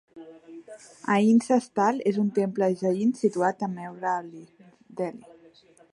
Ahinsa Sthal és un temple jain situat a Mehrauli, Delhi.